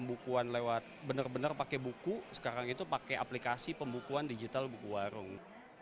pembukuan lewat benar benar pakai buku sekarang itu pakai aplikasi pembukuan digital buku warung